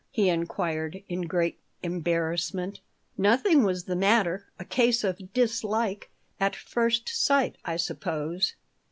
he inquired, in great embarrassment "Nothing was the matter. A case of dislike at first sight, I suppose."